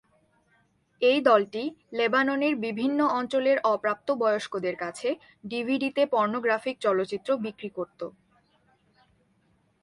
এই দলটি লেবাননের বিভিন্ন অঞ্চলের অপ্রাপ্তবয়স্কদের কাছে ডিভিডিতে পর্নোগ্রাফিক চলচ্চিত্র বিক্রি করতো।